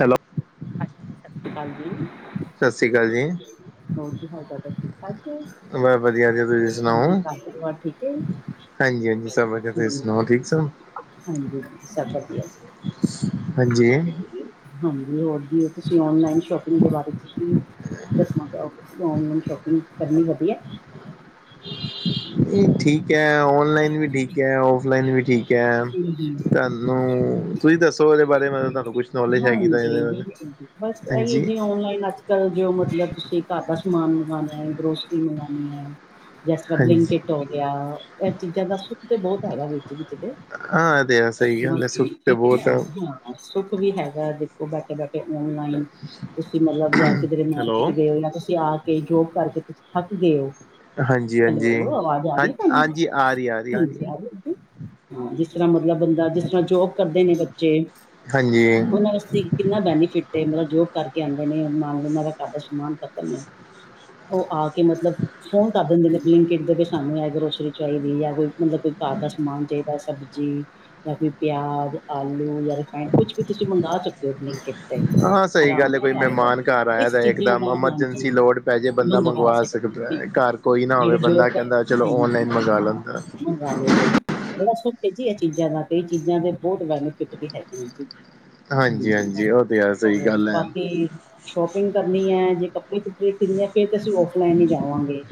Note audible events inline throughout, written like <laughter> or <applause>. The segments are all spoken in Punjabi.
ਹੈਲੋ ਹਾਂਜੀ ਸਸ਼੍ਰੀ ਕਾਲ ਜੀ, ਸਤਿ ਸ਼੍ਰੀ ਅਕਾਲ ਸਸ਼੍ਰੀ ਕਾਲ ਜੀ, ਹੋਰ ਕੀ ਹਾਲ ਤਾਡਾ ਠੀਕ ਠਾਕ ਹੈ ਮੈ ਵਦੀਆਂ ਜੇ ਤੁਸੀਂ ਹਾਂਜੀ ਸੁਣਾਓ? ਘਰ ਪਰਿਵਾਰ ਠੀਕ ਹੈ ਹਾਂਜੀ-ਹਾਂਜੀ ਸਭ ਵਦੀਆਂ ਤੁਹੀ ਹਾਂਜੀ ਠੀਕ ਸਭ? ਹਾਂਜੀ ਸਭ ਵਧੀਆ ਹਾਂਜੀ ਜੀ ਹਾਂਜੀ ਹੋਰ ਜੀ ਤੁਸੀਂ ਔਨਲਾਈਨ ਸ਼ੋਪਿੰਗ ਦੇ ਬਾਰੇ ਚ ਕੀ ਦੱਸਣਾ ਪਓਗੇ ਤੁਸੀਂ ਔਨਲਾਈਨ ਸ਼ੋਪਿੰਗ ਕਰਨੀ ਵਦੀਐ। ਨੀ ਠੀਕ ਐ ਔਨਲਾਈਨ ਵੀ ਠੀਕ ਐ ਔਫਲਾਈਨ ਵੀ ਠੀਕ ਕੈ, ਤੁਆਨੂੰ ਤੁਸੀਂ ਦੱਸੋ ਏਦੇ ਬਾਰੇ ਮਤਲ ਤੁਆਨੂੰ ਕੁਛ ਨੌਲੇਜ ਹੈਗੀ ਤਾ ਹਾਂਜੀ ਏਦੇ ਬਿਲਕੁਲ ਜੀ ਬਸ ਐਹੀ ਆ ਜੀ ਅੱਜ ਕਲ ਜੋ ਮਤਲਬ ਤੁਸੀਂ ਘਰ ਦਾ ਸਮਾਨ ਮੰਗਾਣਾ ਐ ਗਰੋਸਰੀ ਮੰਗਵਾਣੀ ਐ। ਜੈਸ ਤਰਾਂ ਹਾਂਜੀ ਬਿੰਕਟ ਹੋ ਗੇਆ, ਐ ਚੀਜ਼ਾਂ ਦਾ ਸੁੱਖ ਤੇ ਬੌਤ ਹੈਗਾ ਵਿੱਚ-ਵਿੱਚ ਤੇ। <unintelligible> ਹੈ ਸੁੱਖ ਤੇ ਬਹੁਤ <unintelligible> ਹੈਗਾ ਦੇਖੋਂ ਬੈਠੇ-ਬੈਠੇ ਔਨਲਾਈਨ ਤੁਸੀਂ ਮਲਬ ਜਾ ਕੀਦਰੇ ਹੈਲੋ ਮਾਰਕੀਟ ਗਏ ਹੋ ਜਾਂ ਤੁਸੀਂ ਆ ਕੇ ਜੋਬ ਕਰਕੇ ਤੁਸੀਂ ਥੱਕ ਗਏ ਓ ਹਾਂਜੀ ਹਾਂਜੀ ਹੈਲੋ ਅਵਾਜ਼ ਆ ਹਾਂ ਰਈ ਧਾਨੂੰ, ਹਾਂਜੀ ਆ ਰਹੀ ਆ ਰਹੀ ਆ ਰਹੀ ਹਾਂਜੀ ਹੈ ਰਈ ਏ <unintelligible> ਹਾਂ ਜੀਸ ਤਰਾਂ ਮਤਲਬ ਬੰਦਾ ਜੀਸ ਤਰਾਂ ਜੋਬ ਕਰਦੇ ਨੇ ਬੱਚੇ, ਹਾਂਜੀ ਓਨਾਂ ਵਸਤੇ ਕਿਨਾ ਬੈਨੀਫਿਟ ਏ ਮਲਬ ਜੋਬ ਕਰਕੇ ਆਂਦੇ ਨੇ <unintelligible> ਓ ਆ ਕੇ ਮਤਲਬ ਫ਼ੋਨ ਕਰ ਦਿੰਦੇ ਨੇ ਬਲੀਕਿੰਟ ਦੇ ਸਾਨੂੰ ਇਹ ਗਰੋਸਰੀ ਚਾਈਦੀ ਜਾਂ ਕੋਈ ਮਤਲਬ ਕੋਈ ਕਰ ਦਾ ਸਮਾਨ ਚਾਈਦਾ ਸਭ ਜੀ, ਕੋਈ ਪਿਆਜ਼, ਆਲੂ, ਜਾਂ ਰੀਫੈਡ ਕੁਛ ਵੀ ਤੁਸੀਂ ਮੰਗਵਾ ਸਕਦੇ ਹੋ ਬਲਿੰਕ ਹਾਂ ਸਈ ਗੱਲ ਏ ਕੋਈ ਮੈਮਾਨ ਘਰ ਆਏਆਂ ਇਸ ਦਾ ਚੀਜ਼ਾਂ ਇੱਕਦਮ ਹਾਂਜੀ ਐਮਰਜੈਂਸੀ ਲੋੜ ਪੈ ਜੇ ਬੰਦਾ ਮੰਗਵਾ ਸ ਸਕਦੇ ਸਕਦੈ, ਬਿਲਕੁਲ। ਘਰ ਕੋਈ ਨਾ ਹੋਵੇ ਜਿਹੜੇ ਜੋਬ ਬੰਦਾ ਕੈਂਦਾ ਚਲੋ ਔਨਲਾਈਨ ਮੰਗਵਾ ਲੈਂਦਾ। ਲੈ ਲੋ ਜੀ, ਬੜਾ ਸੁਖ ਏ ਜੀ ਏ ਚੀਜ਼ਾਂ ਦਾ ਤੇ ਏ ਚੀਜ਼ਾਂ ਦੇ ਬਹੁਤ ਬੈਨੀਫਿਟ ਵੀ ਹੈਗੇ ਆ ਜੀ। ਹਾਂਜੀ, ਉਹ ਤੇ ਹੈ ਸਹੀ ਗੱਲ ਹੈ ਬਾਕੀ ਸ਼ੋਪਿੰਗ ਕਰਨੀ ਐ ਜੇ ਕੱਪੜੇ-ਕੁਪੜੇ <unintelligible> ਫੇ਼ਰ ਤੇ ਅਸੀਂ ਔਫਲਾਈਨ ਈ ਜਾਵਾਂਗੇ।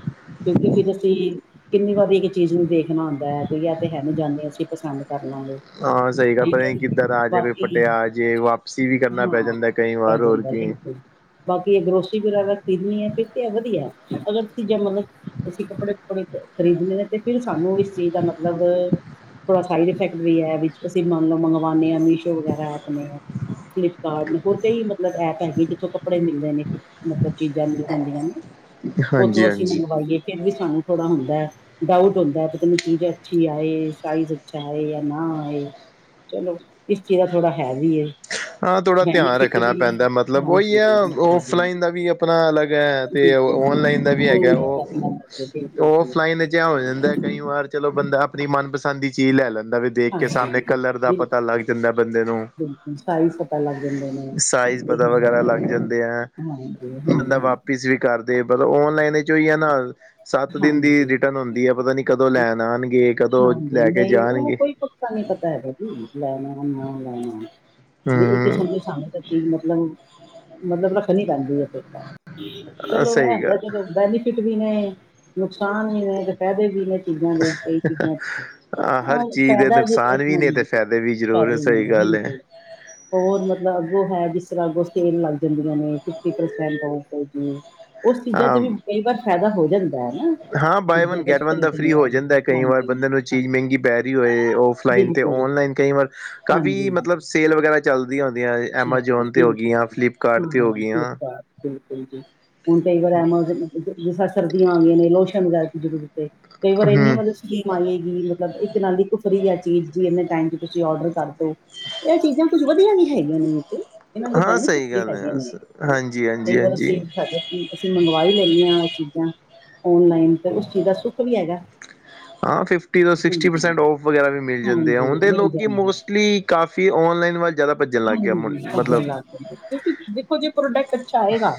ਕਿਉਂਕਿ ਫੇਰ ਅਸੀਂ, ਕਿੰਨੀ ਵਾਰੀ ਇੱਕ ਚੀਜ਼ ਨੂੰ ਦੇਖਣਾ ਹੂੰਦਾ ਕੋਈ ਜਾ ਤੇ ਹੈ ਨੀ ਜਾਂਦੇ ਅਸੀਂ ਪਸੰਦ ਕਰ ਲਾਂਗੇ। ਹਾਂ ਸਈ ਗੱਲ ਪਰੇ ਕੀਦਰ ਆ ਜੇ ਕੋਈ ਫਟੇਆ ਆ ਜੇ ਵਾਪਸੀ ਵੀ ਕਰਨਾ ਹਾਂ ਪੈ ਜਾਂਦਾ ਕਈ ਪੈ ਵਾਰ ਹੋਰ ਜਾਂਦਾ ਕੀਏ। ਬਿਲਕੁਲ ਬਾਕੀ ਏ ਗਰੋਸਰੀ ਵਗੈਰਾ ਖਰੀਦਣੀ ਐ ਫੇਰ ਤੇ ਐ ਵਦੀਆ <unintelligible> ਅਸੀਂ ਕੱਪੜੇ-ਕੁਪੜੇ ਖ਼ਰੀਦਣੇ ਨੇ ਤੇ ਫਿਰ ਸਾਨੂੰ ਇਸ ਚੀਜ਼ ਦਾ ਮਤਲਬ ਥੋੜਾ ਸਾਈਡ ਇਫੈਕਟ ਵੀ ਐ ਵਿੱਚ ਅਸੀਂ ਮੰਨ ਲੋ ਮੰਗਵਾਂਦੇ ਆਂ ਮੀਸ਼ੋ ਵਗੈਰਾ ਐਪ ਨੇ। ਫਲਿੱਪਕਾਡ ਹੋਰ ਕਈ ਮਤਲਬ ਐਪ ਹੈਗੇ ਜਿਥੋਂ ਕੱਪੜੇ ਮਿਲਦੇ ਨੇ ਫੇ ਮਤਲਬ ਚੀਜ਼ਾਂ ਮਿਲ ਜਾਂਦੀਆਂ ਨੇ, ਹਾਂਜੀ ਓਥੋਂ ਅਸੀਂ ਹਾਂਜੀ ਮੰਗਵਾਈਏ। ਫੇਰ ਵੀ ਸਾਨੂੰ ਥੋੜਾ ਹੁੰਦਾਐ ਡਾਊਟ ਹੁੰਦਾ ਪਤਾ ਚੀਜ਼ ਅੱਛੀ ਆਏ, ਸਾਈਜ ਚਾਏ ਏ ਆ ਨਾ ਏ, ਚਲੋ, ਇਸ ਚੀਜ਼ ਦਾ ਥੋੜਾ ਹੈ ਵੀ ਏ। ਹਾਂ ਥੋੜਾ ਧਿਆਨ ਰੱਖਣਾ ਪੈਂਦਾ ਮਤਲਬ ਹਾਂਜੀ ਓਈ ਐ ਬਿਲਕੁਲ ਜੀ ਔਫਲਾਈਨ ਦਾ ਵੀ ਆਪਣਾ ਅਲਾਗ ਤੇ ਓ ਬਿਲਕੁਲ ਜੀ, ਔਨਲਾਈਨ ਦਾ ਵੀ ਉਹ ਹੈਗਾ ਲੈ ਕੇ ਓ, ਆਪਣਾ ਲੱਗਦੇ ਬਿਲਕੁਲ ਜੀ ਓਫਲਾਈਨ ਵੀ ਕਯਾ ਹੋ ਜਾਂਦਾ ਕਈਂ ਵਾਰ ਚਲੋ ਬੰਦਾ ਆਪਣੀ ਮਨਪਸੰਦ ਦੀ ਚੀਜ਼ ਲੈ ਲੈਂਦਾ ਵੀ ਦੇਖ ਕੇ ਸਾਮਣੇ ਹਾਂਜੀ ਜੀ, ਕਲਰ ਦਾ ਬਿਲ ਪਤਾ ਲੱਗ ਜਾਂਦਾ ਐ ਬੰਦੇ ਨੂੰ। ਬਿਲਕੁਲ ਸਾਈਜ਼ ਪਤਾ ਲੱਗ ਜਾਂਦੇ ਨੇ ਸਾਈਜ਼ ਪਤਾ ਇਹੀ ਹੈ, ਵਗੈਰਾ ਲੱਗ ਜਾਂਦੇ ਐਂ, ਹਾਂਜੀ ਹਾਂਜੀ ਹਾਂਜੀ ਬੰਦਾ ਵਾਪੀਸ ਵੀ ਕਰ ਤੇ ਪਤਾ ਓਨਲਾਈਨ ਏ ਚੋਂ ਓਈ ਆ ਨਾ ਸੱਤ ਦਿਨ ਦੀ ਹਾਂਜੀ ਰਿਟਰਨ ਹੁੰਦੀ ਐ ਪਤਾ ਨੀ ਕਦੋਂ ਲੈਣ ਆਣਗੇ ਕਦੋਂ, ਲੈ ਕੇ ਜਾਣਗੇ। ‌ ਸਾਨੂੰ ਪਤਾ ਹੈਗਾ ਜੀ <unintelligible> ਇੱਕ ਹਮ ਕਿਸਮ ਦੇ ਸਾਬ <unintelligible> ਕੀ ਮਤਲਬ ਮਤਲਬ ਰੱਖਣੀ ਪੈਂਦੀ ਐ ਫਿਰ ਤਾਂ ਚਲੋ ਐਂ ਸਹੀ ਹੁੰਦਾ ਗੱਲ ਜਦੋਂ ਬੈਨੀ ਫਿੱਟ ਨੇ ਨੁਕਸਾਨ ਵੀ ਨੇ ਤੇ ਫੈਦੇ ਵੀ ਨੇ ਚੀਜ਼ਾਂ ਦੇ ਕਈ ਚੀਜ਼ਾਂ ਚ ਹਰ ਹਾਂ ਚੀਜ਼ ਦੇ ਫੈਦਾ ਵੀ ਨੁਕਸਾਨ ਇਨਾਂ ਨੇ ਦੇ ਤੇ ਵਿੱਚ ਫਾਇਦੇ ਵੀ ਜ਼ਰੂਰ ਫਾਇਦੇ ਵੀ ਸਹੀ ਨੇ ਗੱਲ ਹੈ ਬਿਲਕੁਲ। ਹੋਰ ਮਤਲਬ ਅੱਗੋਂ ਹੈ ਜਿਸ ਤਰ੍ਹਾਂ ਅੱਗੋਂ ਸੇਲ ਲੱਗ ਜਾਂਦੀਆਂ ਨੇ ਫਿਫਟੀ ਪਰਸੈਂਟ ਔ <inaudible> ਓਸ ਚੀਜ਼ਾਂ ਚ ਹਾਂ ਵੀ ਕਈ ਵਾਰ ਫੈਦਾ ਹੋ ਜਾਂ ਹਾਂ ਬਾਏ ਵਨ ਗੈਟ ਵਨ ਦਾ ਫ੍ਰੀ ਹੋ ਜਾਂਦਾ ਕਈ ਵਾਰ ਬੰਦੇ ਹਾਂਜੀ ਨੂੰ ਹਾਂ ਚੀਜ਼ ਮਹਿੰਗੀ ਪੈ ਰਈ ਹੋਏ ਔ ਫਲਾਈਨ ਤੇ ਬਿਲਕੁਲ ਔਨਲਾਈਨ ਕਈ ਵਾਰ ਕਾਫੀ ਹਾਂਜੀ ਮਤਲਬਸ ਸੇਲ ਵਗੈਰਾ ਚੱਲਦੀਆਂ ਹੁੰਦੀਆਂ ਐਮਾਜੋਨ ਤੇ ਹੋ ਬਿਲਕੁਲ ਗਈਆਂ, ਫਲਿੱਪਕਾਰਟ ਤੇ ਹੋ ਗਈਆਂ ਬਿਲਕੁਲ ਜੀ, ਹੁਣ ਕਈ ਵਾਰ ਐ ਮਤਲਬ ਜੇ ਸਰਦੀਆਂ ਆ ਗਈਆਂ ਨੇ ਲੋਸ਼ਨ ਵਗੈਰਾ ਦੀ ਜ਼ਰੂਰਰ ਏ ਕਈ ਵਾਰ ਐਨੀ ਹੂੰ <unintelligible> <inaudible> ਇੱਕ ਨਾ ਇਕ ਫਰੀ ਆ ਚੀਜ਼ ਜਿਮੇਂ ਟਾਈਮ ਤੇ ਤੁਸੀ ਓਰਡਰ ਕਰਦੋ। ਏ ਚੀਜ਼ਾਂ ਕੁੱਝ ਵਧੀਆ ਨੀ ਹੈਗੀਆਂ <unintelligible> ਇਨਾਂ ਦੇ ਹਾਂ ਬੈਨੀਫਿੱਟ ਸਹੀ ਵੀ ਗੱਲ ਹੈ ਹੈਗੇ ਨੇ ਹਾਂਜੀ ਕਈ ਹਾਂਜੀ ਵਾਰ ਅਸੀਂ ਹਾਂਜੀ ਸਾਡੇ ਅਸੀਂ ਮੰਗਵਾ ਈ ਲੈਂਨੇ ਆ ਔਹ ਚੀਜ਼ਾਂ ਔਨਲਾਈਨ ਤੇ ਉਸ ਚੀਜ਼ ਦਾ ਸੁੱਖ ਵੀ ਹੈਗਾ। ਹਾਂ ਫਿਫਟੀ ਤੋਂ ਸਿਕਸਟੀ ਹਾਂਜੀ ਪਰਸੈਂਟ ਔਫ ਵਗੈਰਾ ਵੀ ਮਿਲ ਜਾਂਦੇ ਆ ਹਾਂਜੀ ਔਂਦੇ ਮਿਲ ਲੋਕੀਂ ਜਾਣੀ ਹੈ। ਮੋਸਟਲੀ ਕਾਫ਼ੀ ਔਨਲਾਈਨ ਵੱਲ ਜਾਦਾ ਭੱਜਣ ਲੱਗ ਗਿਆ ਮੁਲ ਹਾਂਜੀ ਭੱਜਣ ਮਤਲਬ ਲੱਗ ਜਾਂਦੇ ਦੇਖੋ, ਜੇ ਪ੍ਰੋਡੈਕਟ ਅੱਛਾ ਆਏਗਾ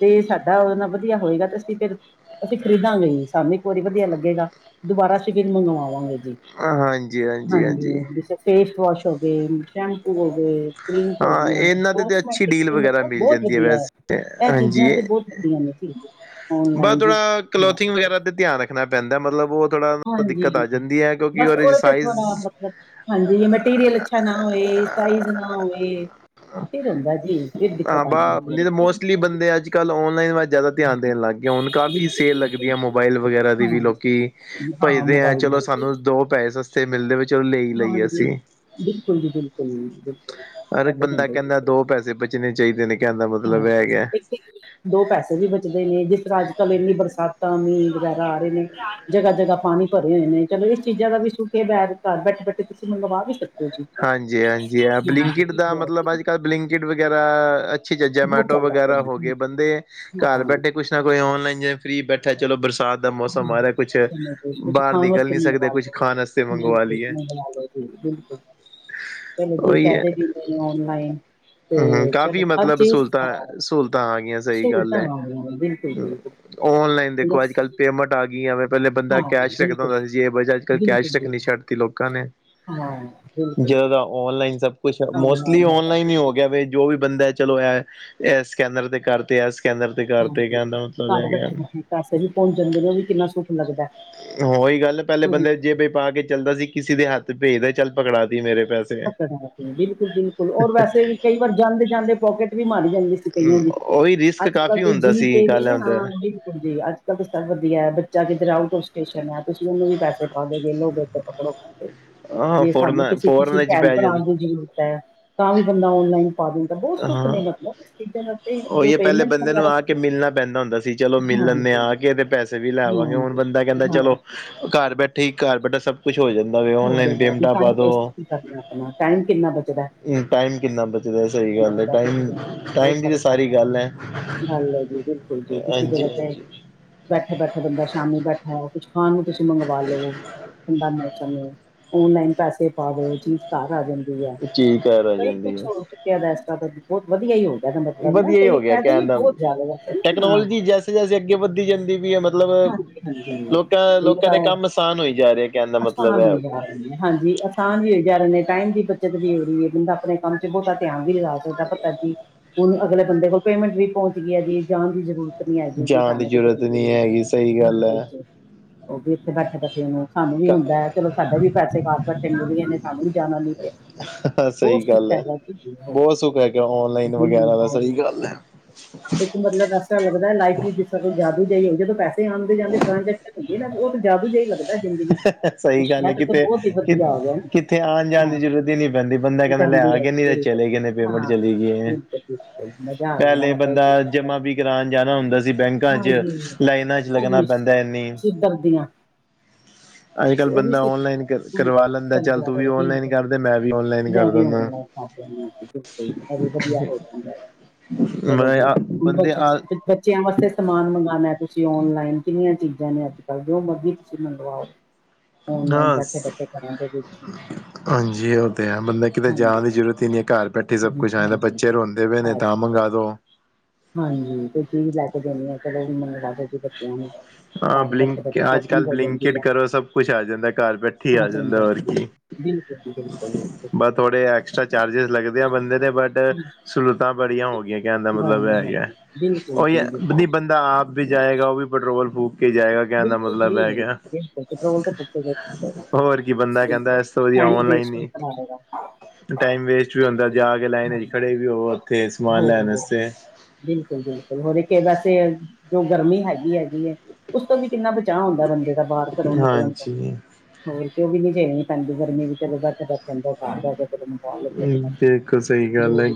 ਤੇ ਸਾਡਾ ਓਦੇ ਨਾਲ ਵਧੀਆ ਹੋਏਗਾ ਤੇ ਅਸੀਂ ਫਿਰ ਅਸੀਂ ਖਰੀਦਾਂਗੇ ਜੀ ਸਾਨੂੰ ਇੱਕ ਵਾਰੀ ਵਧੀਆ ਲੱਗੇਗਾ ਦੁਬਾਰਾ ਸੀਪਿੰਗ ਮੰਗਵਾਵਾਂਗੇ ਜੀ। ਹਾਂਜੀ ਜੀ ਫੇਸ ਵਾਸ਼ ਹੋ ਗਏ, ਸ਼ੈਂਪੂ ਹੋ ਗਏ ਕਰੀਮਸ ਹੋ ਹਾਂ ਗਈਆ ਇਹਨਾਂ ਤੇ ਤੇ ਅੱਛੀ ਸਮੋਸਟੇਕਿੰਗ ਡੀਲ ਤੇ ਵਗੈਰਾ ਮਤਲਬ ਮਿਲ ਬੋਤ ਜਾਂਦੀ ਹੈ ਵਧੀਐ ਵੈਸੇ ਐ ਚੀਜ਼ਾਂ ਤੇ ਬੋਤ <unintelligible> ਨੇ ਚੀਜ਼। ਬਾ ਥੋੜਾ ਕਲੋਥਿੰਗ ਵਗੈਰਾ ਤੇ ਧਿਆਨ ਰੱਖਣਾ ਪੈਂਦਾ ਮਤਲਬ ਓ ਹਾਂਜੀ, ਬਸ ਚ ਓਦੇ ਤੇ ਸਾਈਜ਼ ਥੋੜਾ ਮਤਲਬ ਹਾਂਜੀ ਮਟੀਰੀਅਲ ਚ ਅੱਛਾ ਨਾ ਹੋਏ, ਸਾਈਜ਼ ਨਾ ਹੋਵੇ ਆ ਬਾ ਹੈ ਨਈ ਤਾਂ ਬਿਲਕੁਲ ਮੋਸਟਲੀ ਬੰਦੇ ਅੱਜ-ਕੱਲ੍ਹ ਔਨਲਾਈਨ ਵੱਲ ਜਾਦਾ ਧਿਆਨ ਦੇਣ ਲਾ ਗੇ ਹੁਣ ਕਾਫ਼ੀ ਸੇਲ ਲੱਗਦੀ ਬਿਲਕੁਲ ਐ ਮੋਬਾਇਲ ਵਗੈਰਾ ਦੀ ਵੀ ਲੋਕੀ ਹਾਂਜੀ ਹਾਂ ਭੱਜਦੇ ਐ ਮੋਬਾਈਲ ਚਲੋ ਨਾਲ ਸਾਨੂੰ ਦੋ ਪੈਸੇ ਸਸਤੇ ਮਿਲਦੇ ਵਾ ਚਲੋ ਲੇ ਈ ਲਈਏ ਹਾਂਜੀ ਅਸੀਂ। ਬਿਲਕੁਲ ਜੀ ਬਿਲਕੁਲ-ਬਿਲਕੁਲ। ਹਰ ਇੱਕ ਬੰਦਾ ਕੇਂਦਾ ਦੋ ਪੈਸੇ ਬਚਣੇ ਚਾਈਦੇ ਨੇ ਕੈਣ ਦਾ ਮਤਲਬ ਐ ਹਾਂਜੀ ਹੈਗੈ। ਇੱਕ ਤੇ ਦੋ ਪੈਸੇ ਵੀ ਬਚਦੇ ਨੇ ਜਿਸ ਤਰ੍ਹਾਂ ਅੱਜ-ਕੱਲ ਇੰਨੀ ਬਰਸਾਤਾਂ ਮੀਂਹ ਵਗੈਰਾ ਆ ਰੇ ਨੇ ਜਗ੍ਹਾ-ਜਗ੍ਹਾ ਪਾਣੀ ਭਰੇ ਹੋਏ ਨੇ ਚਲੋ ਇਸ ਚੀਜ਼ਾਂ ਦਾ ਵੀ ਸੁੱਖ ਏ ਬੈਠਦਾ ਬੈਠੇ-ਬੈਠੇ ਤੁਸੀਂ ਮੰਗਵਾਂ ਵੀ ਸਕਦੇ ਓ ਜੀ। ਹਾਂਜੀ-ਹਾਂਜੀ ਆ ਬਲਿੰਕਿਟ ਦਾ ਮਤਲਬ ਕੀ, ਅੱਜ-ਕੱਲ੍ਹ ਬਲਿੰਕਿਟ ਵਗੈਰਾ ਅੱਛੀ ਚੱਜ਼ਾਂ ਮੈ ਬਹੁਤ <unintelligible> ਚੱਲਦਾ ਵਗੈਰਾ ਪਿਆ ਹੋ ਗਏ ਬੰਦੇ ਘਰ ਹਾਂ ਬੈਠੇ ਕੁਛ ਨਾ ਕੋਈ ਔਨਲਾਈਨ ਜ ਫਰੀ ਬੈਠਾ ਚਲੋ ਬਰਸਾ ਦਾ ਮੌਸਮ ਆ ਰਿਆ ਕੁਛ ਸਮਝ, ਕੁਛ ਬਾਰ ਖਾਣ ਨਿਕਲ ਵਾਸਤੇ ਨੀ ਸਕਦੇ ਮੰਗਵਾ ਕੁਛ ਲਓ ਖਾਣ ਵਸਤੇ ਮੰਗਵਾ ਬਿਲਕੁਲ ਲੀਏ ਮੰਗਵਾ ਲਓ ਬਿਲਕੁਲ <unintelligible> ਚਲੋ ਜੀ ਫੈਦੇ ਵੀ ਨੇ ਓਨਲਾਈਨ ਹੂੰ-ਹੂੰ ਕਾਫ਼ੀ ਮਤਲਬ ਸਹੂਲਤਾਂ-ਸਹੂਲਤਾਂ ਆ ਗੀਆਂ ਸਈ ਗੱਲ ਸਹੂਲਤਾਂ ਐ। ਆ ਗਈਆਂ ਨੇ ਬਿਲਕੁਲ ਜੀ ਔਨਲਾਈਨ ਦੇਖੋ ਬਸ ਅੱਜ-ਕੱਲ੍ਹ ਪੇਮੈਂਟ ਆ ਗੀਆ <unintelligible> ਪੈਲੇ ਬੰਦਾ ਹਾਂ ਕੈਸ਼ ਰੱਖਦਾ ਬਿਲਕੁਲ ਹੁੰਦਾ ਜੀ। ਸੀ ਜੇਬ <unintelligible> ਅੱਜ-ਕੱਲ ਬਿਲਕੁਲ ਕੈਸ਼ ਜੀ ਰੱਖਣੀ ਛੱਡਤੀ ਲੋਕਾਂ ਨੇ। ਹਾਂ <unintelligible> ਜਾਦਾ ਔਨਲਾਈਨ ਸਭ ਕੁਛ ਮੋਸਟਲੀ ਔਨਲਾਈਨ ਈ ਹੋ ਗਿਆ। ਜੋ ਵੀ ਬੰਦਾ ਐ ਚਲੋ ਐ-ਐ ਸਕੈਨਰ ਤੇ ਕਰਤਿਆ ਸਕੈਨਰ ਤੇ ਕਰਤੇ ਹਾਂਜੀ ਕਹਿੰਦਾ ਮਤਲਬ ਘਰ ਹੈਗਾ ਬੈਠੇ-ਬੈਠੇੈ ਪੈਸੇ ਵੀ ਪੋਂਚ ਜਾਂਦੇ ਨੇ ਓ ਵੀ ਕਿੰਨਾ ਸੁੱਖ ਲੱਗਦੈ। ਓਹੀ ਗੱਲ ਪੈਲੇ ਬੰਦੇ ਜੇਬੇ ਪਾ ਕੇ ਚੱਲਦਾ ਸੀ ਕਿਸੀ ਦੇ ਹੱਥ ਭੇਜ ਦੇ ਚੱਲ ਪਕੜਾ ਦੀ ਮੇਰੇ ਪੈ <unintelligible> ਬਿਲਕੁਲ-ਬਿਲਕੁਲ ਓਰ ਵੈਸੇ ਵੀ ਕਈ ਵਾਰ ਜਾਂਦੇ-ਜਾਂਦੇ ਪੋਕੇਟ ਵੀ ਮਾਰੀ ਜਾਂਦੀ ਤੇ ਕਈਆ ਦੀ, ਉਹੀ ਰਿਸਕ ਅੱਜ-ਕੱਲ ਕਾਫ਼ੀ ਤੇ ਹੁੰਦਾ ਜੀ ਸੀ ਪੇਵੀ ਗੱਲ ਹਾਂ, ਹੁੰਦਾ ਉ ਉਦੀ ਜੇ ਅੱਜ-ਕੱਲ ਤਾਂ ਸਭ ਵਧੀਆ ਬੱਚਾ ਕਿੱਧਰ ਆਓਟ ਹੋ ਸਟੇਸ਼ਨ ਹੈ ਤੁਸੀਂ ਉਹਨੂੰ ਵੀ ਪੈਸੇ ਪਾ ਦੋਗੇ ਲੋਗੇ ਉ ਪਕੜੋ ਪੈਸੇ, ਹਾਂ ਜੇ ਸਾਨੂੰ ਫੋਰਨ ਕਿਸਹ ਕਿਸੀ ਫੋਰਨ ਚ ਪੈ ਜਾਂ ਤਰਾਂ ਦੀ ਜ਼ਰੂਰਤ ਐ, ਤਾਂ ਵੀ ਬੰਦਾ ਓਨਲਾਈਨ ਪਾ ਦਿੰਦਾ ਬਹੁਤ ਸੁੱਖ ਹਾਂ ਨੇ ਮਤਲਬ ਚੀਜ਼ਾਂ ਦਾ ਤੇ ਜੋ ਉਹੀ ਹੈ ਪਹਿਲੇ ਪੇਮੈਂਟ ਬੰਦੇ ਨੂੰ ਵਗੈਰਾ ਆ ਕੇ ਮਿਲਣਾ ਪੈਂਦਾ ਹੁੰਦਾ ਸੀ ਚਲੋ ਮਿਲ ਲੈਂਦੇ ਹਾਂਜੀ ਆ ਕੇ ਤੇ ਪੈਸੇ ਪੈਸੇ ਵੀ ਲੈਵਾਂਗੇ, ਹੁਣ ਹਾਂਜੀ ਬੰਦਾ ਕਹਿੰਦਾ ਹਾਂ ਚਲੋ ਘਰ ਬੈਠੇ ਹੀ, ਘਰ ਬੈਠਾ ਸਭ- ਕੁਛ ਹੋ ਜਾਂਦਾ ਵੇ, ਹੋ ਓਨਲਾਈਨ ਰਿਹਾ ਪੇਮੈਂਟ ਵੀ ਪਾ ਟਾਈਮ ਦੋ ਵੇਸਟ ਵੀ ਕਰਨਾ ਆਪਣਾ ਟਾਈਮ ਕਿੰਨਾ ਬਚਦਾ ਹੈ, ਹੁਨ ਟਾਈਮ ਕਿੰਨਾ ਬਚਦਾ ਸਹੀ ਗੱਲ ਏ, ਟਾਈਮ-ਟਾਈਮ ਦੀ ਸਾਰੀ ਗੱਲ ਹੈ ਹੈਲੋ ਲਉ ਜੀ, ਬਿਲਕੁਲ ਜੀ, ਤੁਸੀਂ ਕੀ ਹਾਂਜੀ ਕਰਦੇ? ਹਾਂਜੀ ਬੈਠੇ-ਬੈਠੇ ਬੰਦਾ ਸ਼ਾਮੀ ਬੈਠਾ ਕੁਛ ਖਾਣ ਨੂੰ ਤੁਸੀਂ ਮੰਗਵਾ ਲਵੇ, ਠੰਡਾ ਮੌ ਸਾਮੀ, ਓਨਲਾਈਨ ਪੈਸੇ ਪਾ ਦਿਓ ਚੀਜ਼ ਘਰ ਆ ਜਾਂਦੀ ਐ, ਚੀਜ਼ ਘਰ ਆ ਕੋਈ ਜਾਂਦੀ ਕੁਛ ਹੈ ਹੋ ਯਾ ਇਸ ਤਰ੍ਹਾਂ ਤੇ ਬਹੁਤ ਵਧੀਆ ਹੀ ਹੋ ਗਿਆ ਦਾ ਮਤਲਬ ਨਾ ਵਧੀਆ ਹੀ ਕਈ ਹੋ ਗਿਆ ਫਾਇਦੇ ਵੀ ਕੈਦਾ, ਬਹੁਤ ਜ਼ਿਆਦਾ ਵੈਸੇ ਨਾ ਹਾਂ ਟੈਕਨੋਲੋਜੀ ਜੈਸੇ-ਜੈਸੇ ਅੱਗੇ ਵੱਧਦੀ ਜਾਂਦੀ ਪੀ ਐ ਮਤਲਬ ਹਾਂਜੀ ਹਾਂਜੀ ਲੋਕਾਂ-ਲੋਕਾਂ ਦੇ ਕੰਮ ਆਸਾਨ ਹੋਈ ਜਾ ਰਹੇ। ਅਸਾਨ ਹੋਈ ਜਾ ਰਹੇ ਨੇ ਹਾਂਜੀ। ਅ ਅਸਾਨ ਵੀ ਹੋ ਜਾ ਰਹੇ ਨੇ, ਟਾਈਮ ਦੀ ਬੱਚਤ ਵੀ ਹੋ ਰਹੀ ਏ, ਬੰਦਾ ਆਪਣੇ ਕੰਮ ਚ ਬਹੁਤਾ ਧਿਆਨ ਵੀ ਲਗਾ ਸਕਦਾ ਪਤਾ ਜੀ। ਹੁਣ ਅਗਲੇ ਬੰਦੇ ਕੋਲ ਪੇਮੈਂਟ ਵੀ ਪਹੁੰਚ ਗਈ ਐ ਜੀ ਜਾਣ ਦੀ ਜ਼ਰੂਰਤ ਨੀ ਹੈਗੀ ਜੀ, ਜਾਣ ਦੀ ਸਾਨੂੰ ਖੁਦ ਦੇ ਜ਼ਰੂਰਤ ਤਰੀਕੇ ਨਹੀਂ ਵਿਚ, ਹੈਗੀ ਸਹੀ ਜਾ ਗੱਲ ਹੈ ਕੁਛ ਉਹ ਵੀ ਇੱਥੇ ਬੈਠੇ-ਬੈਠੇ ਨੂੰ, ਸਾਨੂੰ ਵੀ ਹੁੰਦਾ ਹੈ ਚਲੋ ਸਾਡੇ ਵੀ ਵੈਸੇ ਬਾਰ ਬੈਠੇ ਕਰ ਦਿੰਦੇ ਨੇ, ਸਾਨੂੰ ਵੀ ਜਾਣਾ ਨਈ ਪਿਆ। ਬਹੁਤ ਸਹੀ ਸੁਖ ਗੱਲ ਹੈ ਹੈਗਾ ਬਹੁਤ ਸੁੱਖ ਹੈਗਾ ਔਨਲਾਈਨ ਜੀ ਵਗੈਰਾ ਦਾ ਸਹੀ <unintelligible> ਗੱਲ ਹੈ ਇੱਕ ਮਤਲਬ ਐਸਾ ਲੱਗਦਾ ਲਾਈਟ ਦੀ ਦਿੱਕਤ ਕੁਝ ਜ਼ਿਆਦੀ ਰਹੀ ਹੁੰਦੀ ਤਾ ਪੈਸੇ ਆਦੇ-ਜਾਂਦੇ ਟਰਾਂਜ਼ੈਕਸ਼ਨ ਹੁੰਦੀ ਨਾ ਉਹ ਤਾਂ ਜਾਦੂ ਜਿਹਾ ਲੱਗਦਾ ਜ਼ਿੰਦਗੀ ਇਹ ਸਹੀ ਗੱਲ ਹੈ ਸ਼ਾਇਦ ਤਾਂ ਕਿਤੇ ਬਹੁਤ ਹੀ ਕਿ ਵਧੀਆ ਹੋ ਗਿਆ ਨਾ ਕਿਥੇ ਆਉਣ ਜਾਣ ਦੀ ਹਾਂ ਜ਼ਰੂਰਤ ਹੀ ਨੀ ਪੈਂਦੀ ਬੰਦਾ ਕਹਿੰਦਾ ਲੈ ਆ ਕਹਿੰਦੇ ਗੇ ਨੇ ਜੀ, ਤੇ ਬਿਲਕੁਲ ਚਲੇ ਗਏ ਨੇ ਪੇਮੈਂਟ ਹਾਂ ਚਲੀ ਗਈ ਏ, ਬਿਲਕੁਲ ਬਿਲਕੁਲ ਮਜ਼ਾ ਆ ਜਾਂਦਾ ਪਹਿਲੇ ਮਤਲਬ ਇਹ ਬੰਦਾ ਚੀਜ਼ਾਂ ਦਾ ਜਮਾ ਵੀ ਕਰਾਉਣ ਜਾਣਾ ਹੁੰਦਾ ਸੀ ਬੈਂਕ ਬੈਕਾ 'ਚ' ਹਾਂਜੀ ਲਾਈਨਾਂ 'ਚ' ਉਹ ਲੱਗਣਾ ਵੀ ਸੀ ਪੈਂਦਾ ਇੰਨੀ ਸਿੱਧਰ ਦੀਆਂ ਅੱਜ- ਕੱਲ ਉਹ ਵੀ ਬੰਦਾ ਸੀ ਔਨਲਾਈਨ ਹਮ, ਕਰਵਾ ਲੈਂਦਾ ਚੱਲ ਚੱਲਦਾ ਤੂੰ ਵੀ ਰਹੇ ਔਨਲਾਈਨ ਕਰਦੇ ਮੈਂ ਵੀ ਔਨਲਾਈਨ ਕਰ ਦਿੰਨਾ ਹਾਜੀ, ਬਿਲਕੁਲ ਸਹੀ ਔਰ ਵਧੀਆ ਹੋ ਜਾਦਾ, ਚਲੋ ਜੀ, ਬੰਦੇ ਆ ਠ <unintelligible> ਬੱਚਿਆਂ ਵਾਸਤੇ ਸਮਾਨ ਮੰਗਉਣਾ ਤੁਸੀਂ ਓਨਲਾਈਨ ਕਿੰਨੀਆਂ ਚੀਜ਼ਾਂ ਨੇ ਅੱਜ- ਕੱਲ੍ਹ ਜੋ ਮਰਜ਼ੀ ਤੁਸੀਂ ਮੰਗਵਾਓ। ਔਨਲਾਈਨ ਹਾਂ ਬੈਠੇ- ਬੈਠੇ ਘਰਾਂ ਦੇ ਵਿੱਚ ਹਾਂਜੀ, ਉਹ ਤਾਂ ਹੈ ਬੰਦਾ ਕਿਤੇ ਹਾਂਜੀ ਜਾਣ ਦੀ ਜ਼ਰੂਰਤ ਈ ਨਈ ਐ, ਘਰ ਬੈਠੇ ਸਭ ਕੁਛ ਆਦਾ ਤਾਂ ਬੱਚੇ ਹਾਂਜੀ ਰੋਂਦੇ ਪਏ ਨੇ ਤਾਂ ਅੱਛਾ ਮੰਗਾਵਾ ਦਿਉ। ਹਾਂਜੀ ਕੋਈ ਚੀਜ਼ ਲੈ ਕੇ ਦੇਣੀ ਐ, ਚਲੋ ਮੰਗਵਾ ਦੋ ਜੀ ਬੱਚਿਆਂ ਨੂੰ ਹਾਂ ਘਰ ਬਕਲਿ ਬੈਠੇ ਬੈਠੇ ਅੱਜ-ਕੱਲ ਸ਼ੋਪਿੰਗ ਹੋ ਜਾਂਦੀ ਬਲਿੰਕਿਟ ਆ ਕਰੋ ਸਭ ਕੁਛ ਆ ਜਾਂਦਾ, ਘਾਰ ਬੈਠੇ ਹਾਂ ਆ ਚੰਗਾ ਜਾਂਦਾ ਹੋਰ ਕੀ <inaudible> ਬਸ ਥੋੜੇ ਐਕਸਟਰਾ ਚਾਰਜਿਸ ਲੱਗਦੇ ਆ ਬੰਦੇ ਦੇ ਬਟ ਸਹੂਲਤਾਂ ਬੜੀਆਂ ਹੋਗਿਆਂ ਕਹਿਣ ਦਾ ਮਤਲਬ ਐ ਈ ਬਿਲਕੁਲ ਐ, ਬਿਲਕੁਲ ਉਹੀ ਐ ਨਈ ਬੰਦਾ ਆਪ ਵੀ ਜਾਏਗਾ ਉਹ ਵੀ ਪੈਟਰੋਲ ਫੂਕ ਕੇ ਜਾਏਗਾ ਕਹਿਣ ਦਾ ਬਿਲਕੁਲ ਮਤਲਬ ਜੀ ਹੈ ਗਿਆ ਬਿਲਕੁਲ, ਪੈਟਰੋਲ ਤ ਫੂਕੇਗਾ। ਹੋਰ ਕੀ ਬੰਦਾ ਓਈ ਨਾ ਕਹਿੰਦਾ ਇਸ ਤੋਂ ਬਿਲਕੁਲ ਵਧੀਆ ਟਾਈਮ ਔਨਲਾਈਨ ਵੇਸਟ ਹੋਏ ਹੀ ਕਿੰਨਾ ਜਿਆਦਾ ਟਾਈਮ ਵੇਸਟ ਵੀ ਹੁੰਦਾ ਜਾ ਕੇ ਲਾਈਨ ਚ ਖੜੇ ਵੀ ਹੋਵੋ ਉੱਥੇ ਹੋ ਸਮਾਨ ਲੈਣ ਹੋ ਵਸਤੇ ਬਿਲਕੁਲ- ਬਿਲਕੁਲ ਹੋਰ ਇੱਕ ਤੇ ਵੈਸੇ ਐ, ਜੋ ਗਰਮੀ ਹੈਗੀ-ਹੈਗੀ ਏ, ਉਸ ਤੋਂ ਵੀ ਕਿੰਨਾ ਬਚ ਚਾਅ ਹੁੰਦਾ ਬੰਦੇ ਦਾ ਬਾਹਰ ਘਰੋਂ ਨਿਕਲਣ ਤੋ ਹਾਂਜੀ ਹੋਰ ਕੀ ਓ ਵੀ ਨੀ ਝੇਲਣੀ ਪੈਂਦੀ ਗਰਮੀ ਚਲੋ ਬੈਠੇ- ਬੈਠੇ ਅੰਦਰ ਘਾਰ ਦੋਗੇ <unintelligible> ਇਸ ਟਾਈਪ ਬਿਲਕੁਲ ਸਹੀ ਗੱਲ ਹੈ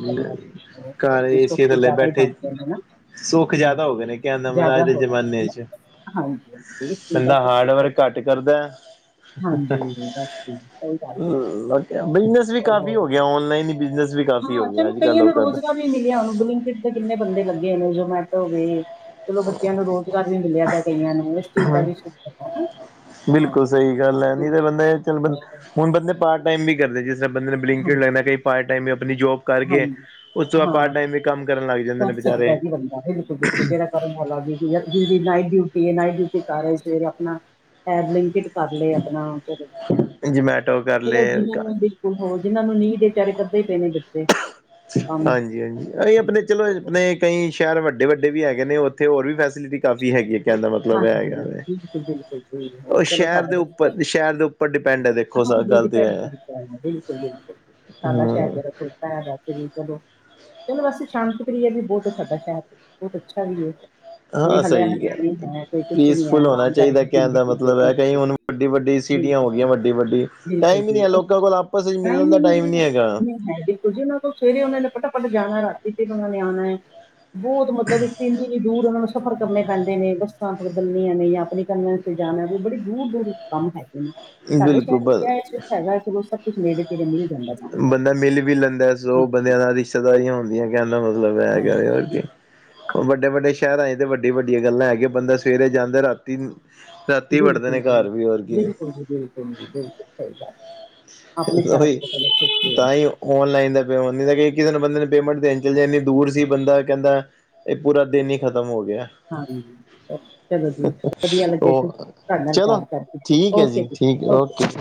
ਘਰ ਕੁਛ ਏਸੀ ਥੱਲੇ ਜ਼ਿਆਦਾ ਹੀ ਬੈਠੇ ਬਣਗੀਆ ਏ ਹਨਾ। ਸੁੱਖ ਜ਼ਿਆਦਾ ਹੋ ਗਏ ਨੇ ਕੈਣ ਦਾ ਮਤਲਬ ਅੱਜ ਦੇ ਗਿਆ ਜ਼ਮਾਨੇ'ਚ। ਹਾਂਜੀ। ਹਾਂਜੀ ਇਸ ਚੀਜ਼ ਦਾ ਬੰਦਾ ਸੁੱਖ ਤਾਂ ਬਹੁਤ ਹਾਰਡ-ਵਰਕ ਘੱਟ ਕਰਦਾ ਐ ਹਾਂਜੀ ਬਸ ਜੀ, ਸਹੀ ਗੱਲ ਹੈ ਬਿਜਨਸ ਵੀ ਕਰ ਕੀ ਉਹ ਹੋ ਗਿਆ ਔਨਲਾਈਨ ਈ ਬਿਜਨਸ ਵੀ ਕਾਫੀ ਹਾਂ ਹੋ ਗਿਆ ਚਲੋ ਅੱਜ-ਕਲ ਕਈਆਂ ਨੂੰ ਲੋਕਾਂ ਦਾ। ਰੋਜ਼ਗਾਰ ਵੀ ਮਿਲਿਆ ੳਨੂੰ। ਬਲਿੰਕਿਟ ਦੇ ਕਿਨੇ ਬੰਦੇ ਲੱਗੇ ਨੇ ਜਮੈਟੋ ਵੀ, ਚਲੋ ਬੱਚੇਆਂ ਨੂੰ ਰੋਜ ਮਿਲਆ ਦਾ ਕਈਆ ਨੂੰ। ਚੀਜ਼ ਦਾ ਵੀ ਸ਼ੁਕਰ ਹੈ ਨਾ ਹਾਂ ਬਿਲਕੁਲ ਸਹੀ ਗੱਲ ਐ ਨਈ ਤਾਂ ਬੰਦਾ ਏ ਚੱਲ ਬੰ ਹੁਣ ਬੰਦੇ ਪਾਰਟ ਟਾਈਮ ਵੀ ਕਰਦੇ ਜਿਸਰਾਂ ਬੰਦੇ ਨੇ ਹਾਂ ਬਲਿੰਕਿਟ ਲੱਗਣਾ, ਕਈ ਪਾਰਟ ਟਾਈਮ ਅਪਨੀ ਜੋਬ ਕਰਕੇ, ਹਾਂਜੀ ਉਸ ਤੋਂ ਬਾਦ ਪਾਰਟ ਹਾਂ ਟਾਈਮ ਵੀ ਕੰਮ ਕਰਨ ਲੱਗ ਜਾਂਦੇ ਨੇ ਬੇਚਾਰੇ ਜਦੀ ਨਾਈਟ ਡਿਊਟੀ ਏ, ਨਾਈਟ ਡਿਊਟੀ ਕਰ ਰਹੇ ਸਵੇਰੇ ਅਪਨਾ ਐਪ ਲਈ ਬਲਿੰਕਿਟ ਕਰ ਲੈ ਅਪਣਾ ਚਲੋ, ਜਮੈਟੋ ਕਰ ਚਲੋ ਲਏ ਜਿਨੂੰ ਔ ਹੋ ਜਿਨਾ ਨੂੰ ਨੀ ਵੇਚਾਰੇ ਕਰਦੇੇ ਪਏ ਨੇ ਬੱਚੇ। ਕੰਮ ਹਾਂਜੀ, ਹਾਂਜੀ ਅਰੇ ਅਪਨੇ ਚਲੋ ਅਪਨੇ ਕਈ ਸ਼ਹਰ ਵੱਡੇ-ਵੱਡੇ ਵੀ ਹੈਗੇ ਨੇ ੳਥੇ ਹੋਰ ਵੀ ਫੈਸਿਲਿਟੀ ਕਾਫੀ ਹੈਗੀ ਏ। ਹਾਂਜੀ, ਬਿਲਕੁਲ-ਬਿਲਕੁਲ ਹੈ। ਉਹ ਚਲੋ ਸ਼ਹਿਰ ਦੇ ਸਾਡਾ ਉੱਪਰ ਸ਼ਹਿਰ ਦੇ ਉੱਪਰ ਡਿਪੈਂਡ ਹੈ ਦੇਖੋ ਸ ਹਾਂਜੀ ਗੱਲ ਤੇ ਡਿਪੈਂਡ ਹੈ ਕਰਦਾ ਐ, ਬਿਲਕੁਲ- ਬਿਲਕੁਲ ਸਾਡਾ ਸ਼ਹਰ ਹਮ <unintelligible> ਚਲੋ ਵੇਸੇ ਸ਼ਾਂਤ ਪ੍ਰਿਅ ਵੀ ਬੋਤ ਏ ਸਾਡਾ ਸ਼ਹਰ, ਬੋਤ ਅੱਛਾ ਵੀ ਏ। ਹਾਂ ਸਹੀ ਐ। ਕੁਛ ਨਹੀਂ ਹੈ ਪੀਸਫੁੱਲ ਹੋਣਾ ਆਰਾਮਦਾਰੀ ਚਾਈਦਾ ਦੀ ਕੈਣ ਦਾ ਜ਼ਿੰਦਗੀ ਹੈ ਮਤਲਬ ਐ, ਕਈ ਬਿਲਕੁਲ ਹੁਣ ਵੱਡੀ-ਵੱਡੀ ਸਿਟੀਆਂ ਹੋ ਗਈਆਂ ਬਿਲਕੁਲ ਵੱਡੀ-ਵੱਡੀ ਬਿਲਕੁਲ ਟਾਈਮ ਈ ਨੀ ਹੈ ਜੀ ਲੋਕਾਂ ਕੋਲ ਆਪਸ ਚ ਮਿਲਨ ਹੀ ਦਾ ਟਾਈਮ ਨਹੀਂ ਹੈ ਨਈ ਹੈਗਾ। ਨਹੀਂ ਹੈ ਬਿਲਕੁਲ ਜੀ ਉਹਨਾਂ ਕੋਲ ਸਵੇਰੇ ੳਨਾਂ ਨੇ ਫਟਾਫੱਟ ਜਾਨਾ ਰਾਤੀ ਫੇਰ ੳਨਾਂ ਨੇ ਆਨਾ ਏ, ਬੋਤ ਮਤਲਬ ਇੱਕ ਤੇ ਏਨੀ-ਏਨੀ ਦੂਰ ੳਨਾਂ ਨੂੰ ਐਫਟ ਕਰਨੇ ਪੈਂਦੇ ਨੇ ਬਸ ਬਸਾਂ ਬਦਲਣੀਆਂ ਨੇ ਜਾਂ ਅਪਣਨੇ ਕਨਵੈਂਸ ਤੇ ਜਾਨਾ ਏਂ। ਬੜੇ ਦੂਰ-ਦੂਰ ਕੰਮ ਹੈਗੇ ਨੇ। ਸਾਡੇ ਬਿਲਕੁਲ ਸ਼ਹਰ ਬ ਵਿਚ ਏਹ ਸੁਖ ਹੈਗਾ ਚਲੋ ਸਭ ਕੁਛ ਨੇੜੇ-ਤੇੜੇ ਮਿਲ ਜਾਂਦਾ ਸਾਨੂੰ ਬੰਦਾ ਮਿਲ ਵੀ ਲੈਂਦਾ ਐ, ਸੌ ਹਾਂਜੀ ਬੰਦੇਆਂ ਨਾਲ ਰਿਸ਼ਤੇਦਾਰੀਆਂ ਹੁੰਦੀਆਂ ਕੈਨ ਦਾ ਮਤਲਬ ਐ ਹੈਗਾ ਵੇ, ਹਾਂਜੀ ਹੋਰ ਕੀ। ਵੱਡੇ-ਵੱਡੇ ਸ਼ਹਰਾ ਏ ਤੇ ਵੱਡੀਆ-ਵੱਡੀਆਂ ਗੱਲਾਂ ਹੈਗੀਆ। ਬੰਦਾ ਸਵੇਰੇ ਜਾਂਦਾ ਰਾਤੀ ਰਾਤੀ ਵੜਦੇ ਨੇ ਬਿਲਕੁਲ ਘਰ ਜੀ ਵੀ, ਹੋਰ ਕੀ। ਬਿਲਕੁਲ ਬਿਲਕੁਲ, ਸਈ ਗੱਲ ਏ, ਅਪਨੇ ਸ਼ਹਰਾਂ ਦੀ ਉਹੀ ਤੇ ਤਾਂ ਹੀ ਔਨਲਾਈਨ ਦਾ ਪੇਮੈਂਟ ਮਤਲਬ ਕਿ ਕਿਸੇ ਨੂੰ ਬੰਦੇ ਨੂੰ ਪੇਮੈਂਟ ਦੇਨ ਚੱਲ ਜੇ ਏਨੀ ਦੂਰ ਸੀ ਬੰਦਾ ਕੈਂਦਾ ਪੂਰਾ ਦਿਨ ਈ ਖ਼ਤਮ ਹੋ ਗਿਆ। ਹਾਂਜੀ ਚਲੋ ਜੀ ਵਧੀਆ ਲਗੇਆ ਜੀ ਉਹ ਤਾਡੇ ਨਾਲ ਚਲੋ ਗੱਲ ਕਰਕੇ ਜੀ, ਠੀਕ ਹੈ ਓਕੇ ਜੀ। ਠੀਕ ਏ, ਓਕੇ।